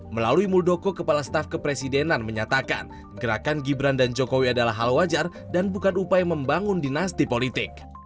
melalui muldoko kepala staf kepresidenan menyatakan gerakan gibran dan jokowi adalah hal wajar dan bukan upaya membangun dinasti politik